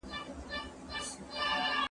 هم جوګي وو هم دروېش هم قلندر وو